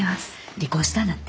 離婚したんだって？